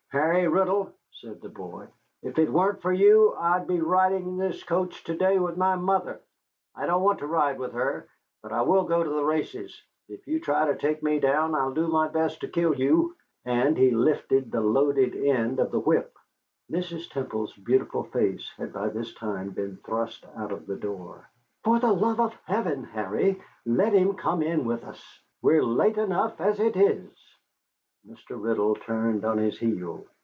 "Harry Riddle," said the boy, "if it weren't for you, I'd be riding in this coach to day with my mother. I don't want to ride with her, but I will go to the races. If you try to take me down, I'll do my best to kill you," and he lifted the loaded end of the whip. Mrs. Temple's beautiful face had by this time been thrust out of the door. "For the love of heaven, Harry, let him come in with us. We're late enough as it is." Mr. Riddle turned on his heel.